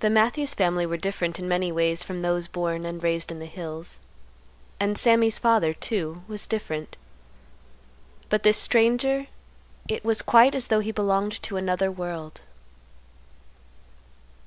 The Matthews family were different in many ways from those born and raised in the hills. And Sammy's father, too, was different. But this stranger—it was quite as though he belonged to another world.